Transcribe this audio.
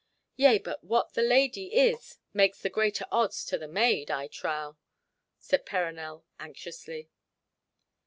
"Yea, but what the lady is makes the greater odds to the maid, I trow," said Perronel anxiously.